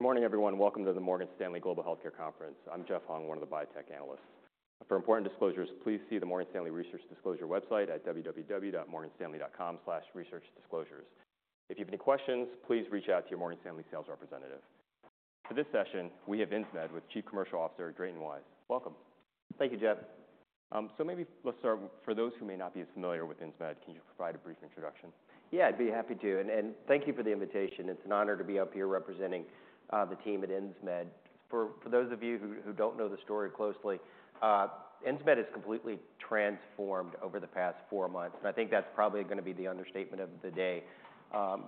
...Good morning, everyone. Welcome to the Morgan Stanley Global Healthcare Conference. I'm Jeff Hung, one of the biotech analysts. For important disclosures, please see the Morgan Stanley Research Disclosure website at www.morganstanley.com/researchdisclosures. If you have any questions, please reach out to your Morgan Stanley sales representative. For this session, we have Insmed with Chief Commercial Officer, Drayton Wise. Welcome. Thank you, Jeff. Maybe let's start, for those who may not be as familiar with Insmed, can you provide a brief introduction? Yeah, I'd be happy to, and thank you for the invitation. It's an honor to be up here representing the team at Insmed. For those of you who don't know the story closely, Insmed is completely transformed over the past four months, and I think that's probably gonna be the understatement of the day.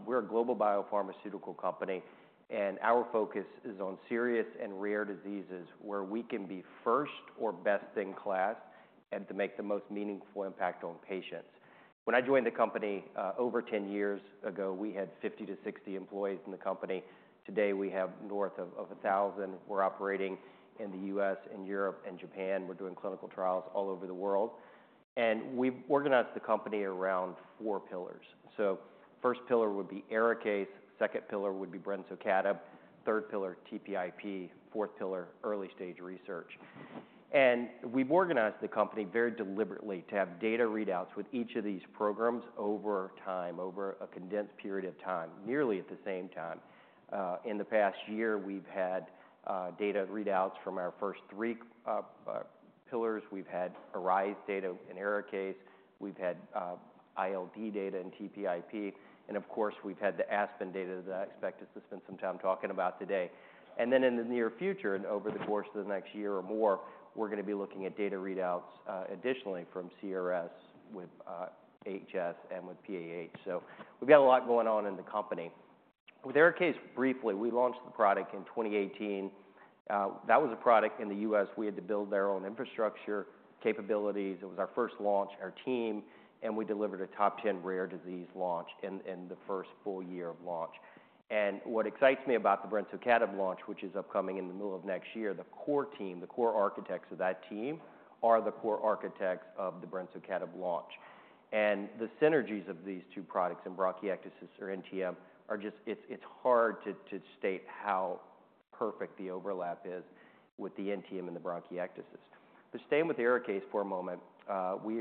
We're a global biopharmaceutical company, and our focus is on serious and rare diseases where we can be first or best in class, and to make the most meaningful impact on patients. When I joined the company over 10 years ago, we had 50-60 employees in the company. Today, we have north of 1,000. We're operating in the U.S., and Europe, and Japan. We're doing clinical trials all over the world, and we've organized the company around four pillars. So first pillar would be ARIKAYCE, second pillar would be Brensocatib, third pillar, TPIP, fourth pillar, early stage research. And we've organized the company very deliberately to have data readouts with each of these programs over time, over a condensed period of time, nearly at the same time. In the past year, we've had data readouts from our first three pillars. We've had ARISE data in ARIKAYCE, we've had ILD data in TPIP, and of course, we've had the ASPEN data that I expected to spend some time talking about today. And then in the near future, and over the course of the next year or more, we're gonna be looking at data readouts additionally from CRS with HS and with PAH. So we've got a lot going on in the company. With ARIKAYCE, briefly, we launched the product in 2018. That was a product in the US. We had to build their own infrastructure, capabilities. It was our first launch, our team, and we delivered a top 10 rare disease launch in the first full year of launch. And what excites me about the Brensocatib launch, which is upcoming in the middle of next year, the core team, the core architects of that team, are the core architects of the Brensocatib launch. And the synergies of these two products in bronchiectasis or NTM are just... It's hard to state how perfect the overlap is with the NTM and the bronchiectasis. To stay with ARIKAYCE for a moment, we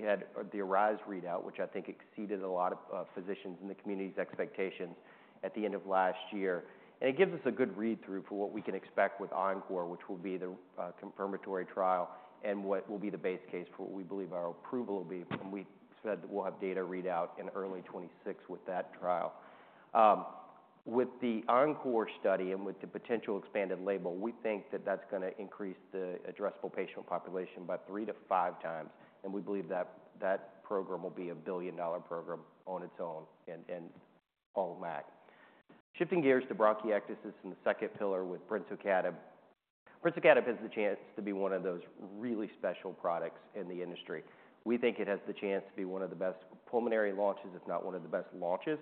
had the ARISE readout, which I think exceeded a lot of physicians in the community’s expectations at the end of last year. And it gives us a good read-through for what we can expect with ENCORE, which will be the confirmatory trial and what will be the base case for what we believe our approval will be, and we said that we'll have data readout in early 2026 with that trial. With the ENCORE study and with the potential expanded label, we think that that's gonna increase the addressable patient population by three to five times, and we believe that that program will be a billion-dollar program on its own and all that. Shifting gears to bronchiectasis and the second pillar with Brensocatib. Brensocatib has the chance to be one of those really special products in the industry. We think it has the chance to be one of the best pulmonary launches, if not one of the best launches,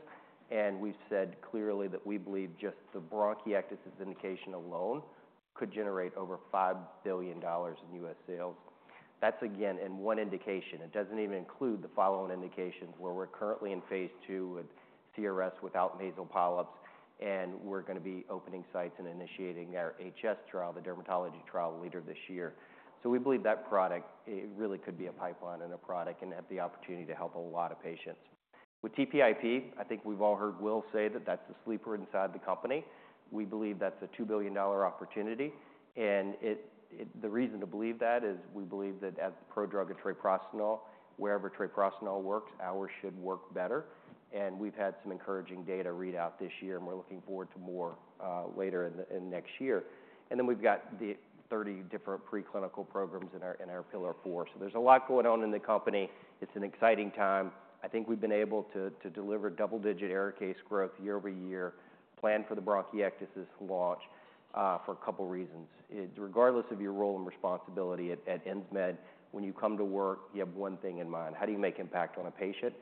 and we've said clearly that we believe just the bronchiectasis indication alone could generate over $5 billion in U.S. sales. That's again, in one indication. It doesn't even include the following indications, where we're currently in phase II with CRS without nasal polyps, and we're gonna be opening sites and initiating our HS trial, the dermatology trial, later this year. So we believe that product, it really could be a pipeline and a product and have the opportunity to help a lot of patients. With TPIP, I think we've all heard Will say that that's a sleeper inside the company. We believe that's a $2 billion opportunity, and the reason to believe that is we believe that as the pro-drug to treprostinil, wherever treprostinil works, ours should work better. We've had some encouraging data readout this year, and we're looking forward to more later in next year. We've got the 30 different preclinical programs in our pillar four. So there's a lot going on in the company. It's an exciting time. I think we've been able to deliver double-digit ARIKAYCE growth year over year, plan for the bronchiectasis launch for a couple of reasons. It's regardless of your role and responsibility at Insmed, when you come to work, you have one thing in mind: How do you make impact on a patient?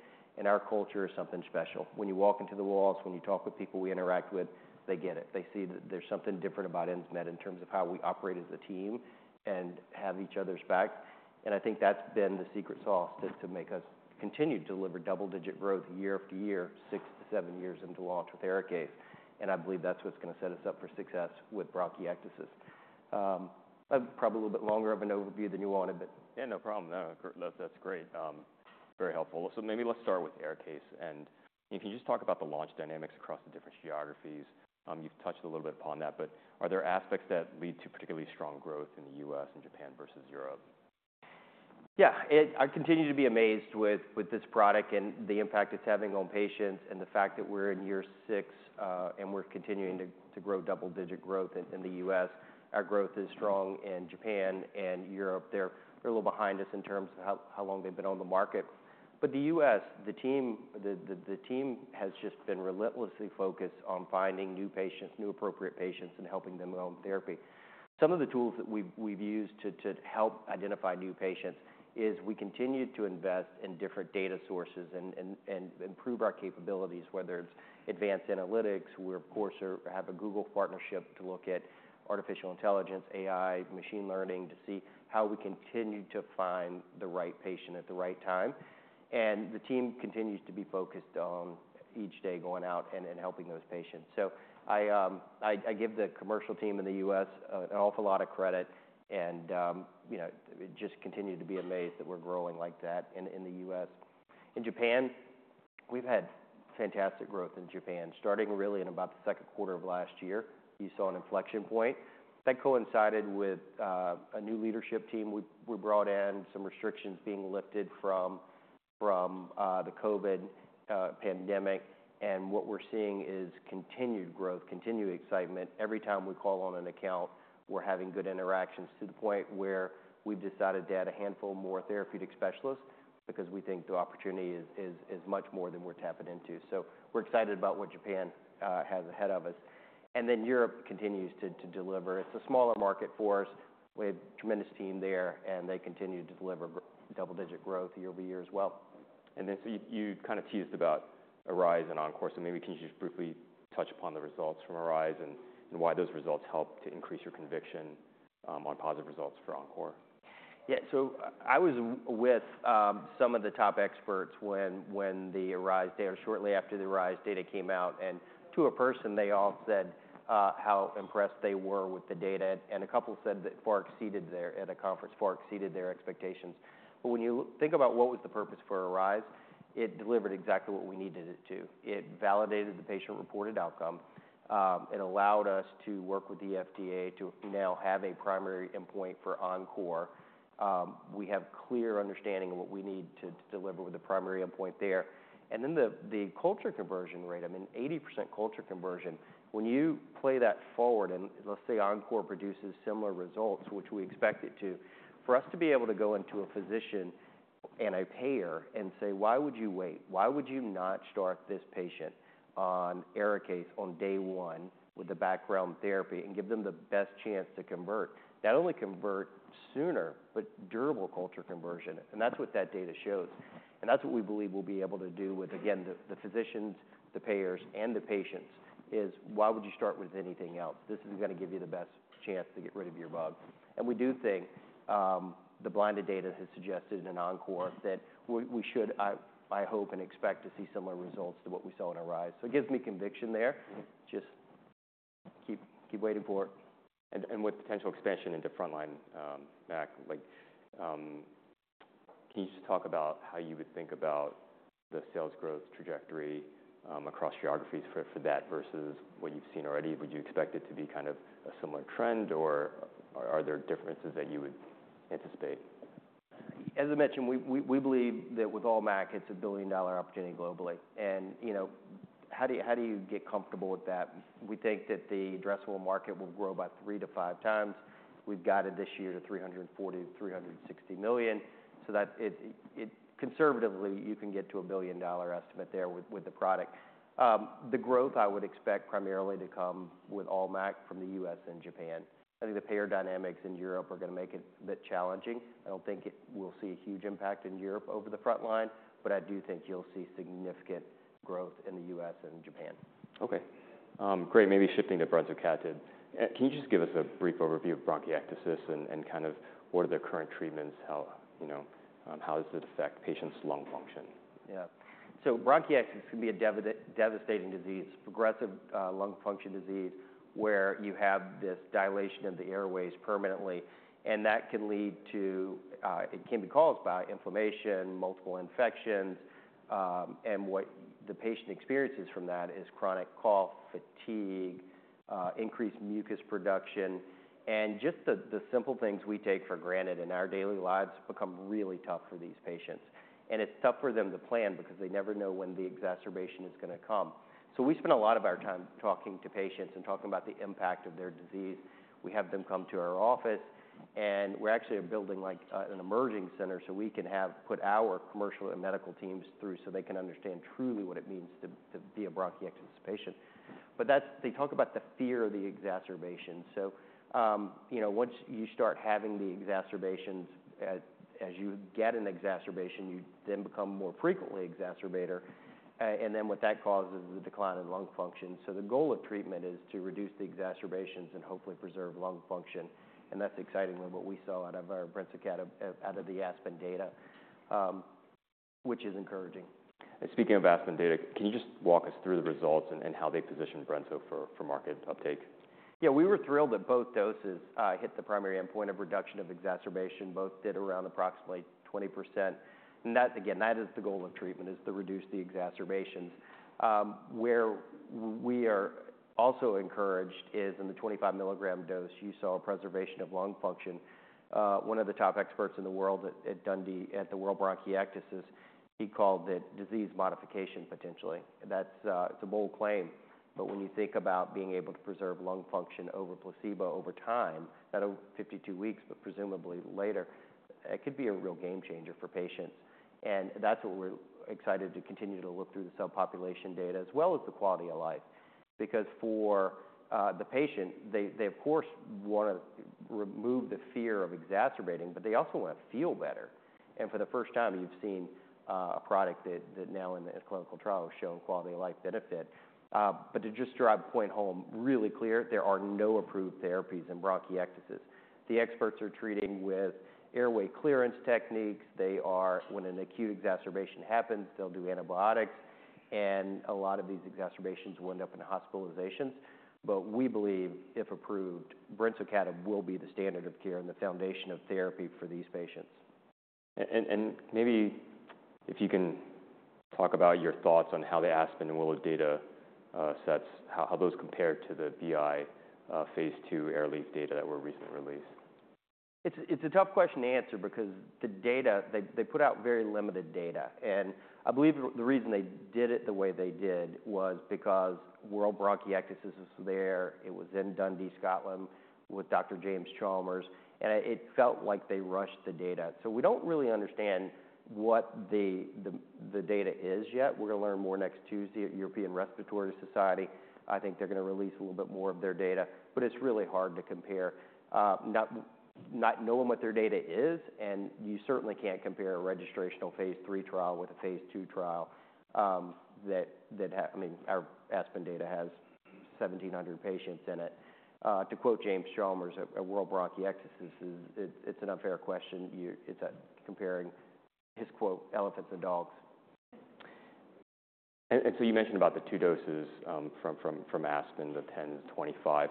Our culture is something special. When you walk into the walls, when you talk with people we interact with, they get it. They see that there's something different about Insmed in terms of how we operate as a team and have each other's back, and I think that's been the secret sauce to make us continue to deliver double-digit growth year after year, six to seven years into launch with ARIKAYCE, and I believe that's what's gonna set us up for success with bronchiectasis. That's probably a little bit longer of an overview than you wanted, but- Yeah, no problem. No, that's, that's great. Very helpful. So maybe let's start with ARIKAYCE, and if you just talk about the launch dynamics across the different geographies, you've touched a little bit upon that, but are there aspects that lead to particularly strong growth in the U.S. and Japan versus Europe? Yeah. I continue to be amazed with this product and the impact it's having on patients, and the fact that we're in year six and we're continuing to grow double-digit growth in the US. Our growth is strong in Japan and Europe. They're a little behind us in terms of how long they've been on the market, but the US, the team has just been relentlessly focused on finding new patients, new appropriate patients, and helping them on therapy. Some of the tools that we've used to help identify new patients is we continue to invest in different data sources and improve our capabilities, whether it's advanced analytics. We, of course, have a Google partnership to look at artificial intelligence, AI, machine learning, to see how we continue to find the right patient at the right time. And the team continues to be focused on each day going out and helping those patients. So I give the commercial team in the U.S. an awful lot of credit and, you know, just continue to be amazed that we're growing like that in the U.S. In Japan, we've had fantastic growth in Japan, starting really in about the second quarter of last year. You saw an inflection point. That coincided with a new leadership team we brought in, some restrictions being lifted from the COVID pandemic. And what we're seeing is continued growth, continued excitement. Every time we call on an account, we're having good interactions, to the point where we've decided to add a handful more therapeutic specialists because we think the opportunity is much more than we're tapping into. So we're excited about what Japan has ahead of us. And then Europe continues to deliver. It's a smaller market for us. We have a tremendous team there, and they continue to deliver double-digit growth year over year as well. And then so you kind of teased about ARISE and ENCORE, so maybe can you just briefly touch upon the results from ARISE and why those results help to increase your conviction on positive results for ENCORE? Yeah. So I was with some of the top experts when the ARISE data, shortly after the ARISE data came out, and to a person, they all said how impressed they were with the data. And a couple said that far exceeded their... at a conference, far exceeded their expectations. But when you think about what was the purpose for ARISE, it delivered exactly what we needed it to. It validated the patient-reported outcome, it allowed us to work with the FDA to now have a primary endpoint for ENCORE. We have clear understanding of what we need to deliver with the primary endpoint there. And then the culture conversion rate, I mean, 80% culture conversion, when you play that forward and let's say ENCORE produces similar results, which we expect it to, for us to be able to go into a physician and a payer and say, "Why would you wait? Why would you not start this patient on ARIKAYCE on day one with the background therapy and give them the best chance to convert?" Not only convert sooner, but durable culture conversion, and that's what that data shows. And that's what we believe we'll be able to do with, again, the physicians, the payers, and the patients is, why would you start with anything else? This is gonna give you the best chance to get rid of your bug. We do think the blinded data has suggested in ENCORE that we should, I hope and expect to see similar results to what we saw in ARISE. So it gives me conviction there. Just keep waiting for it. With potential expansion into frontline MAC, like, can you just talk about how you would think about the sales growth trajectory across geographies for that versus what you've seen already? Would you expect it to be kind of a similar trend, or are there differences that you would anticipate? As I mentioned, we believe that with all MAC, it's a billion-dollar opportunity globally. And you know, how do you get comfortable with that? We think that the addressable market will grow by three to five times. We've guided this year to $340 million-$360 million, so that it conservatively, you can get to a billion-dollar estimate there with the product. The growth I would expect primarily to come with all MAC from the US and Japan. I think the payer dynamics in Europe are gonna make it a bit challenging. I don't think it we'll see a huge impact in Europe over the front line, but I do think you'll see significant growth in the US and Japan. Okay. Great, maybe shifting to Brensocatib. Can you just give us a brief overview of bronchiectasis and kind of what are the current treatments? How, you know, does it affect patients' lung function? Yeah. So bronchiectasis can be a devastating disease, progressive lung function disease, where you have this dilation of the airways permanently, and that can lead to. It can be caused by inflammation, multiple infections, and what the patient experiences from that is chronic cough, fatigue, increased mucus production. And just the simple things we take for granted in our daily lives become really tough for these patients. And it's tough for them to plan because they never know when the exacerbation is gonna come. So we spend a lot of our time talking to patients and talking about the impact of their disease. We have them come to our office, and we're actually building, like, an experience center so we can put our commercial and medical teams through so they can understand truly what it means to be a bronchiectasis patient. But that's. They talk about the fear of the exacerbation. So, you know, once you start having the exacerbations, as you get an exacerbation, you then become a more frequent exacerbator, and then what that causes is a decline in lung function. So the goal of treatment is to reduce the exacerbations and hopefully preserve lung function, and that's excitingly what we saw out of our Brensocatib out of the Aspen data, which is encouraging. Speaking of Aspen data, can you just walk us through the results and how they position Brensocatib for market uptake? Yeah. We were thrilled that both doses hit the primary endpoint of reduction of exacerbation. Both did around approximately 20%, and that, again, that is the goal of treatment, is to reduce the exacerbations. Where we are also encouraged is in the 25 milligram dose, you saw a preservation of lung function. One of the top experts in the world at Dundee, at the World Bronchiectasis, he called it disease modification, potentially. That's, it's a bold claim, but when you think about being able to preserve lung function over placebo over time, not over 52 weeks, but presumably later, it could be a real game changer for patients. And that's what we're excited to continue to look through the cell population data, as well as the quality of life. Because for the patient, they of course want to remove the fear of exacerbating, but they also want to feel better, and for the first time, you've seen a product that now in the clinical trial has shown quality of life benefit, but to just drive the point home, really clear, there are no approved therapies in bronchiectasis. The experts are treating with airway clearance techniques. They are. When an acute exacerbation happens, they'll do antibiotics, and a lot of these exacerbations will end up in hospitalizations, but we believe, if approved, Brensocatib will be the standard of care and the foundation of therapy for these patients.... And maybe if you can talk about your thoughts on how the Aspen and WILLOW data sets, how those compare to the BI phase II Airleaf data that were recently released. It's a tough question to answer because the data, they put out very limited data, and I believe the reason they did it the way they did was because World Bronchiectasis was there. It was in Dundee, Scotland, with Dr. James Chalmers, and it felt like they rushed the data, so we don't really understand what the data is yet. We're going to learn more next Tuesday at European Respiratory Society. I think they're going to release a little bit more of their data, but it's really hard to compare, not knowing what their data is, and you certainly can't compare a registrational phase III trial with a phase II trial. I mean, our Aspen data has seventeen hundred patients in it. To quote James Chalmers at World Bronchiectasis, it's an unfair question. It's comparing, his quote, "Elephants and dogs". And so you mentioned about the two doses from Aspen, the ten to twenty-five.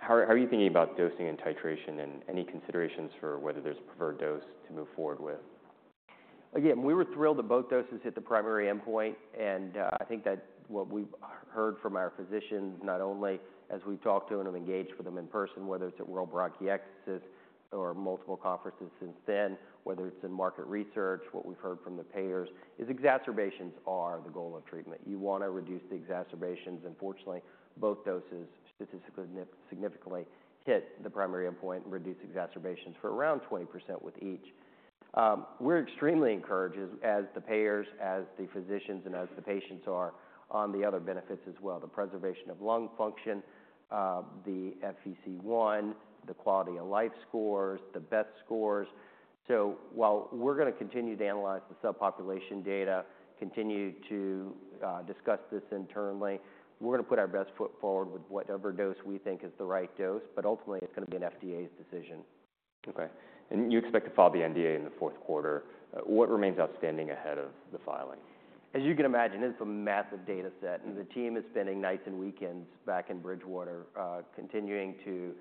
How are you thinking about dosing and titration and any considerations for whether there's a preferred dose to move forward with? Again, we were thrilled that both doses hit the primary endpoint, and I think that what we've heard from our physicians, not only as we've talked to them and engaged with them in person, whether it's at World Bronchiectasis or multiple conferences since then, whether it's in market research, what we've heard from the payers, is exacerbations are the goal of treatment. You want to reduce the exacerbations. And fortunately, both doses statistically significantly hit the primary endpoint and reduced exacerbations for around 20% with each. We're extremely encouraged as the payers, as the physicians, and as the patients are on the other benefits as well, the preservation of lung function, the FEV1, the quality of life scores, the QOL-B scores. So while we're going to continue to analyze the subpopulation data, continue to discuss this internally, we're going to put our best foot forward with whatever dose we think is the right dose, but ultimately, it's going to be an FDA's decision. Okay. And you expect to file the NDA in the fourth quarter. What remains outstanding ahead of the filing? As you can imagine, it's a massive data set, and the team is spending nights and weekends back in Bridgewater, continuing to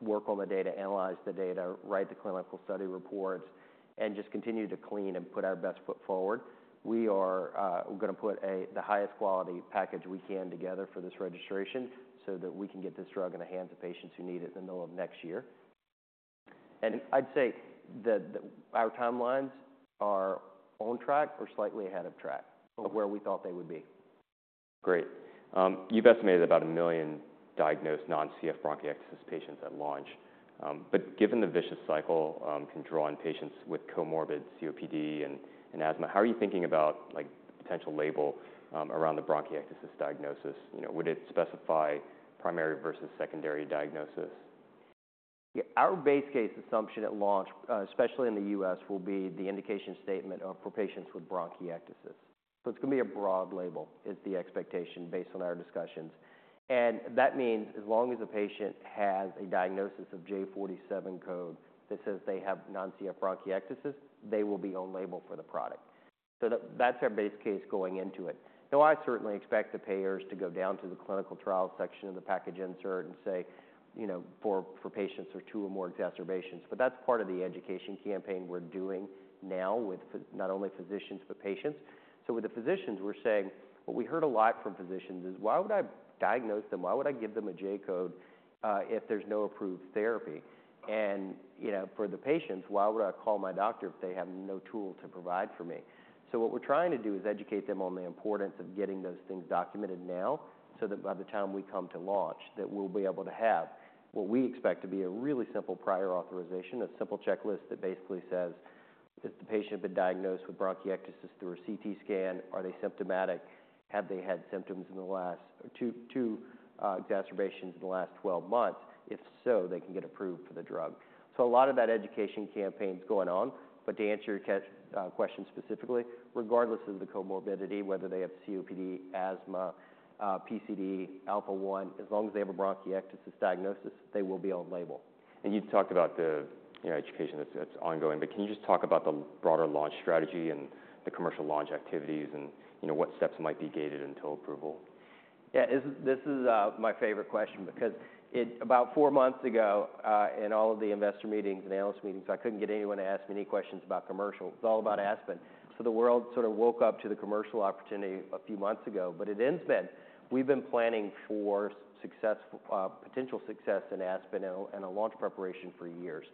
work on the data, analyze the data, write the clinical study reports, and just continue to clean and put our best foot forward. We're going to put the highest quality package we can together for this registration so that we can get this drug in the hands of patients who need it in the middle of next year, and I'd say that our timelines are on track or slightly ahead of track- Okay. of where we thought they would be. Great. You've estimated about a million diagnosed non-CF bronchiectasis patients at launch. But given the vicious cycle, can draw on patients with comorbid COPD and asthma, how are you thinking about, like, potential label around the bronchiectasis diagnosis? You know, would it specify primary versus secondary diagnosis? Yeah, our base case assumption at launch, especially in the US, will be the indication statement of, for patients with bronchiectasis. So it's going to be a broad label, is the expectation based on our discussions. And that means as long as the patient has a diagnosis of J47 code that says they have non-CF bronchiectasis, they will be on label for the product. So that, that's our base case going into it. Though I certainly expect the payers to go down to the clinical trial section of the package insert and say, "You know, for, for patients with two or more exacerbations," but that's part of the education campaign we're doing now with not only physicians, but patients. So with the physicians, we're saying... What we heard a lot from physicians is: Why would I diagnose them? Why would I give them a J code if there's no approved therapy? And, you know, for the patients: Why would I call my doctor if they have no tool to provide for me? So what we're trying to do is educate them on the importance of getting those things documented now, so that by the time we come to launch, that we'll be able to have what we expect to be a really simple prior authorization, a simple checklist that basically says: Has the patient been diagnosed with bronchiectasis through a CT scan? Are they symptomatic? Have they had two exacerbations in the last twelve months? If so, they can get approved for the drug. So a lot of that education campaign is going on. But to answer your question specifically, regardless of the comorbidity, whether they have COPD, asthma, PCD, alpha-1, as long as they have a bronchiectasis diagnosis, they will be on label. And you've talked about the, you know, education that's ongoing, but can you just talk about the broader launch strategy and the commercial launch activities and, you know, what steps might be gated until approval? Yeah, this is my favorite question because about four months ago, in all of the investor meetings and analyst meetings, I couldn't get anyone to ask me any questions about commercial. It's all about Aspen. So the world sort of woke up to the commercial opportunity a few months ago. But at Insmed, we've been planning for success, potential success in Aspen and a launch preparation for years.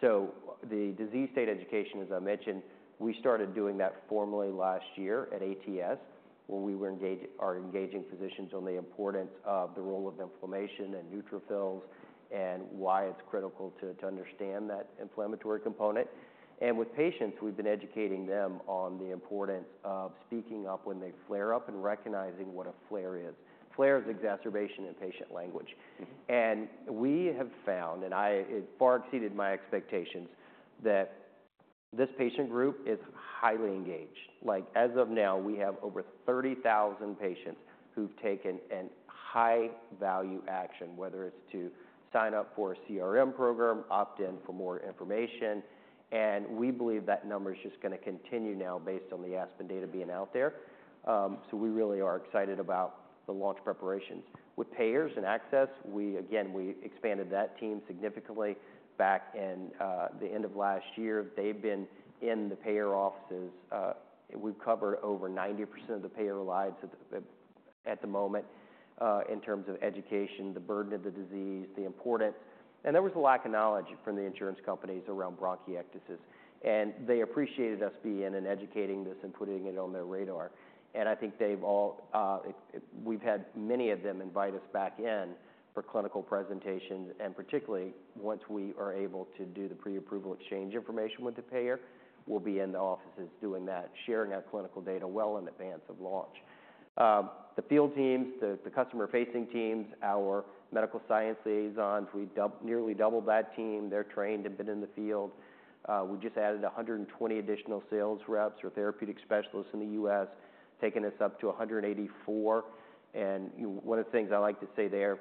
So the disease state education, as I mentioned, we started doing that formally last year at ATS, where we were engaging physicians on the importance of the role of inflammation and neutrophils and why it's critical to understand that inflammatory component. And with patients, we've been educating them on the importance of speaking up when they flare up and recognizing what a flare is. Flare is exacerbation in patient language. Mm-hmm. We have found, and it far exceeded my expectations, that this patient group is highly engaged. Like, as of now, we have over 30,000 patients who've taken a high-value action, whether it's to sign up for a CRM program, opt in for more information, and we believe that number is just going to continue now based on the Aspen data being out there. So we really are excited about the launch preparations. With payers and access, we again expanded that team significantly back in the end of last year. They've been in the payer offices. We've covered over 90% of the payer lives at the moment, in terms of education, the burden of the disease, the importance. There was a lack of knowledge from the insurance companies around bronchiectasis, and they appreciated us being in and educating this and putting it on their radar. I think they've all, we've had many of them invite us back in for clinical presentations, and particularly once we are able to do the pre-approval exchange information with the payer, we'll be in the offices doing that, sharing our clinical data well in advance of launch. The field teams, the customer-facing teams, our medical science liaisons, we nearly doubled that team. They're trained and been in the field. We just added 120 additional sales reps or therapeutic specialists in the US, taking us up to 184. And, you know, one of the things I like to say there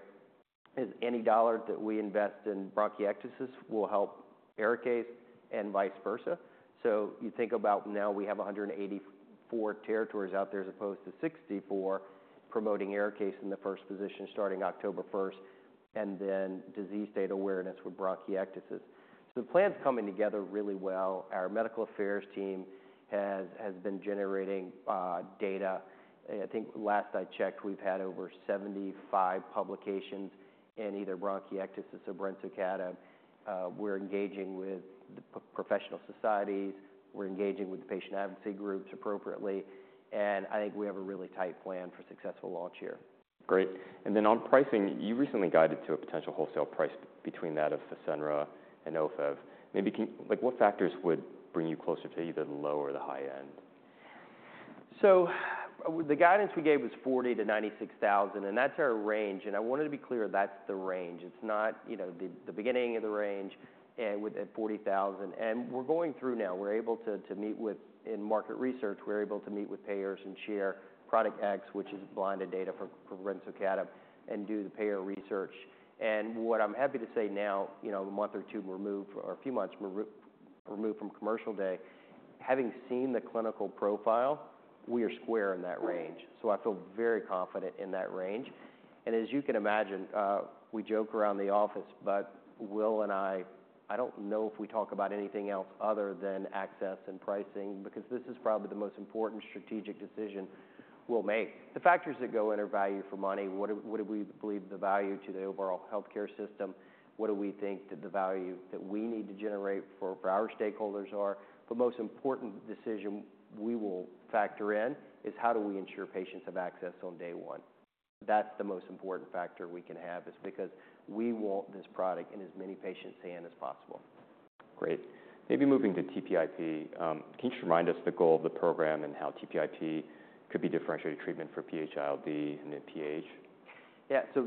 is any dollar that we invest in bronchiectasis will help ARIKAYCE and vice versa. So you think about now we have 184 territories out there, as opposed to 64, promoting ARIKAYCE in the first position, starting October 1st, and then disease state awareness with bronchiectasis. So the plan's coming together really well. Our medical affairs team has been generating data. I think last I checked, we've had over 75 publications in either bronchiectasis or Brensocatib. We're engaging with the professional societies, we're engaging with the patient advocacy groups appropriately, and I think we have a really tight plan for a successful launch here. Great. And then on pricing, you recently guided to a potential wholesale price between that of Fasenra and Ofev. Maybe can... Like, what factors would bring you closer to either the low or the high end? The guidance we gave was 40,000-96,000, and that's our range, and I wanted to be clear, that's the range. It's not, you know, the beginning of the range and with the 40,000. We're going through now. In market research, we're able to meet with payers and share product X, which is blinded data for Brensocatib, and do the payer research. What I'm happy to say now, you know, a month or two removed, or a few months removed from commercial day, having seen the clinical profile, we are square in that range. I feel very confident in that range. As you can imagine, we joke around the office, but Will and I, I don't know if we talk about anything else other than access and pricing, because this is probably the most important strategic decision we'll make. The factors that go in are value for money. What do we believe the value to the overall healthcare system? What do we think that the value that we need to generate for our stakeholders are? The most important decision we will factor in is how do we ensure patients have access on day one? That's the most important factor we can have, is because we want this product in as many patients' hand as possible. Great. Maybe moving to TPIP, can you just remind us the goal of the program and how TPIP could be differentiated treatment for PH-ILD and PAH? Yeah. So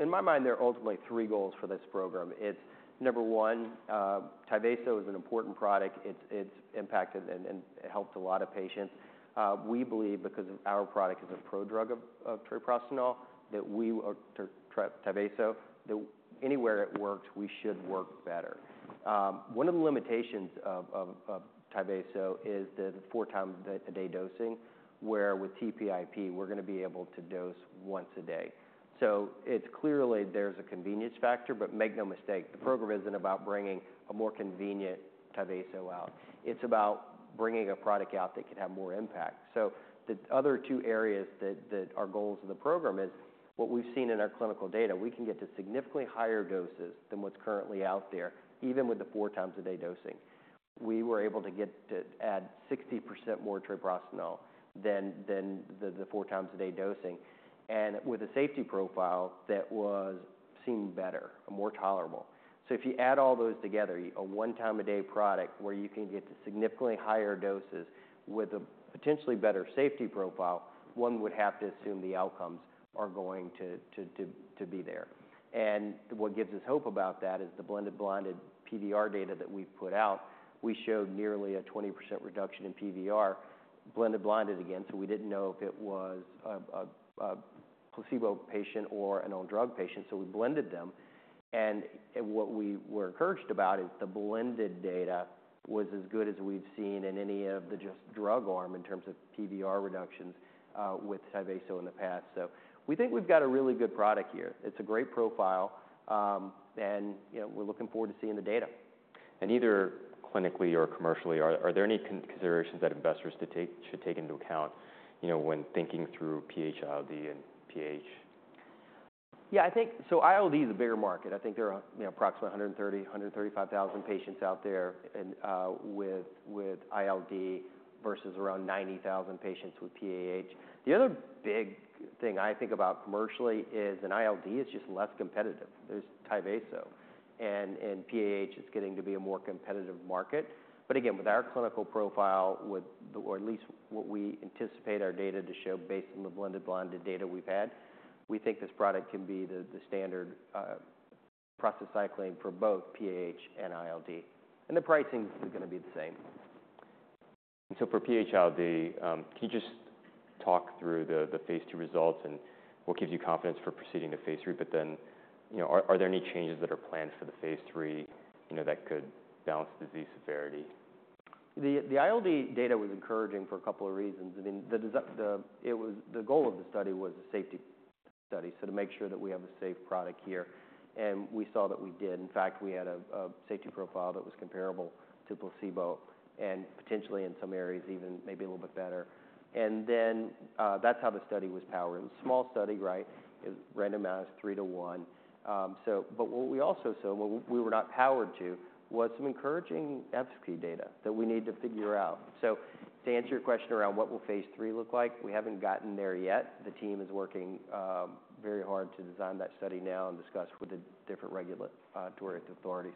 in my mind, there are ultimately three goals for this program. It's number one, Tyvaso is an important product. It impacted and it helped a lot of patients. We believe because our product is a pro-drug of treprostinil, that we or Tyvaso, that anywhere it works, we should work better. One of the limitations of Tyvaso is the four times a day dosing, where with TPIP, we're gonna be able to dose once a day. So clearly there's a convenience factor, but make no mistake, the program isn't about bringing a more convenient Tyvaso out. It's about bringing a product out that can have more impact. So the other two areas that our goals of the program is, what we've seen in our clinical data, we can get to significantly higher doses than what's currently out there, even with the four times a day dosing. We were able to get to 60% more treprostinil than the four times a day dosing, and with a safety profile that was seen better and more tolerable. So if you add all those together, a one time a day product where you can get to significantly higher doses with a potentially better safety profile, one would have to assume the outcomes are going to be there. And what gives us hope about that is the blended blinded PVR data that we've put out. We showed nearly a 20% reduction in PVR, blended blinded again, so we didn't know if it was a placebo patient or an on-drug patient, so we blended them. And what we were encouraged about is the blended data was as good as we've seen in any of the just drug arm, in terms of PVR reductions, with Tyvaso in the past. So we think we've got a really good product here. It's a great profile, and, you know, we're looking forward to seeing the data. Either clinically or commercially, are there any considerations that investors should take into account, you know, when thinking through PH-ILD and PAH? Yeah, I think. So ILD is a bigger market. I think there are, you know, approximately 130, 135 thousand patients out there and with ILD, versus around 90 thousand patients with PAH. The other big thing I think about commercially is, in ILD, it's just less competitive. There's Tyvaso, and PAH is getting to be a more competitive market. But again, with our clinical profile, with or at least what we anticipate our data to show based on the blended, blinded data we've had, we think this product can be the standard prostacyclin for both PAH and ILD, and the pricing is gonna be the same. So for PH-ILD, can you just talk through the phase II results, and what gives you confidence for proceeding to phase III? But then, you know, are there any changes that are planned for the phase III, you know, that could balance disease severity? The ILD data was encouraging for a couple of reasons. I mean, the goal of the study was the safety study. So to make sure that we have a safe product here, and we saw that we did. In fact, we had a safety profile that was comparable to placebo and potentially in some areas, even maybe a little bit better. And then, that's how the study was powered. It was a small study, right? It randomized three to one. So but what we also saw, what we were not powered to, was some encouraging efficacy data that we need to figure out. So to answer your question around what will phase III look like, we haven't gotten there yet. The team is working very hard to design that study now and discuss with the different regulatory authorities.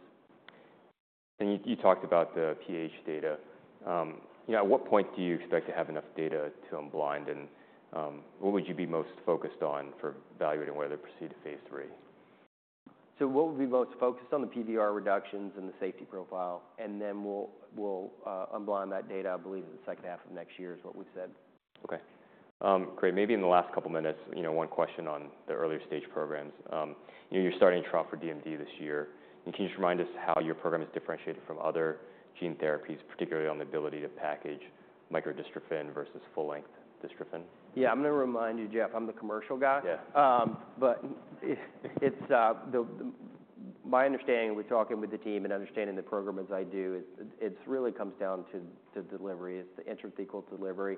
You, you talked about the PH data. Yeah, at what point do you expect to have enough data to unblind, and what would you be most focused on for evaluating whether to proceed to phase III? So what we'll be most focused on the PVR reductions and the safety profile, and then we'll unblind that data, I believe, in the second half of next year, is what we've said. Okay. Great. Maybe in the last couple minutes, you know, one question on the earlier stage programs. You're starting trial for DMD this year. Can you just remind us how your program is differentiated from other gene therapies, particularly on the ability to package micro-dystrophin versus full-length dystrophin? Yeah. I'm going to remind you, Jeff, I'm the commercial guy. Yeah. But it's my understanding with talking with the team and understanding the program as I do is, it really comes down to delivery. It's the intrathecal delivery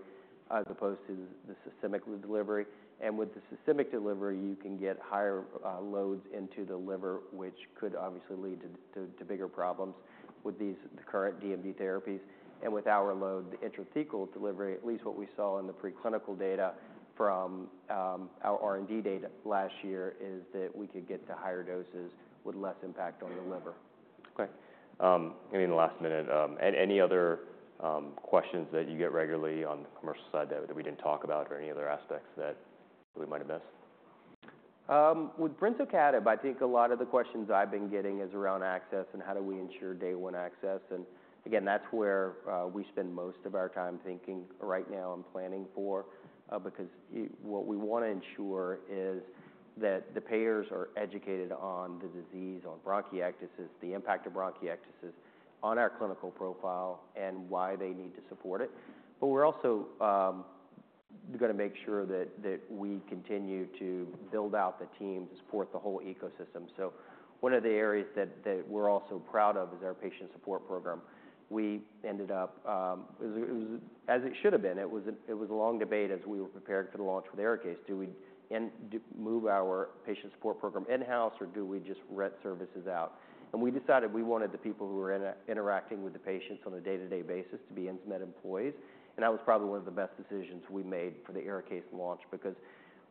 as opposed to the systemic delivery. And with the systemic delivery, you can get higher loads into the liver, which could obviously lead to bigger problems with the current DMD therapies. And with our load, the intrathecal delivery, at least what we saw in the preclinical data from our R&D data last year, is that we could get to higher doses with less impact on the liver. Okay. In the last minute, any other questions that you get regularly on the commercial side that we didn't talk about, or any other aspects that we might have missed? With Brensocatib, I think a lot of the questions I've been getting is around access and how do we ensure day one access. And again, that's where we spend most of our time thinking right now and planning for, because what we want to ensure is that the payers are educated on the disease, on bronchiectasis, the impact of bronchiectasis on our clinical profile and why they need to support it. But we're also gonna make sure that we continue to build out the team to support the whole ecosystem. So one of the areas that we're also proud of is our patient support program. We ended up, it was. As it should have been, it was a long debate as we were preparing for the launch with ARIKAYCE. Do we move our patient support program in-house, or do we just rent services out? And we decided we wanted the people who were interacting with the patients on a day-to-day basis to be Insmed employees, and that was probably one of the best decisions we made for the ARIKAYCE launch. Because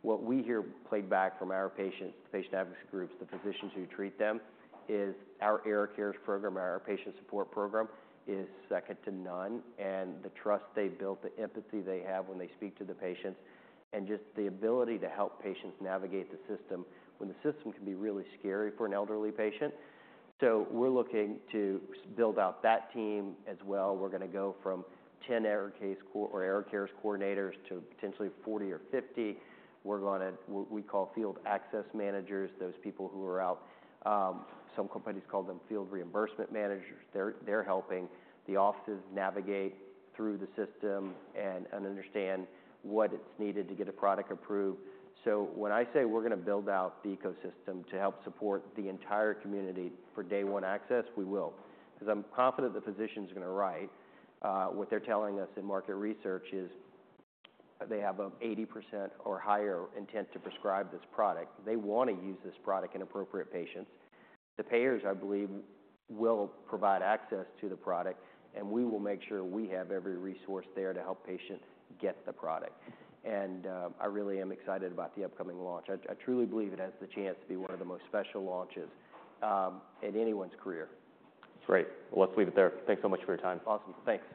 what we hear played back from our patients, the patient advocacy groups, the physicians who treat them, is our ARIKAYCE program, our patient support program, is second to none. And the trust they built, the empathy they have when they speak to the patients, and just the ability to help patients navigate the system, when the system can be really scary for an elderly patient. So we're looking to build out that team as well. We're gonna go from 10 ARIKAYCE or ARIKAYCE coordinators to potentially 40 or 50. We're gonna, what we call field access managers, those people who are out, some companies call them field reimbursement managers. They're helping the offices navigate through the system and understand what is needed to get a product approved. So when I say we're gonna build out the ecosystem to help support the entire community for day one access, we will. 'Cause I'm confident the physicians are gonna write. What they're telling us in market research is they have 80% or higher intent to prescribe this product. They want to use this product in appropriate patients. The payers, I believe, will provide access to the product, and we will make sure we have every resource there to help patients get the product. I really am excited about the upcoming launch. I truly believe it has the chance to be one of the most special launches in anyone's career. That's great. Let's leave it there. Thanks so much for your time. Awesome. Thanks.